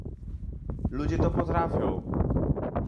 Ludzie to potrafią!